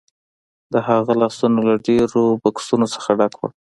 د هغه لاسونه له ډیرو بکسونو څخه ډک وو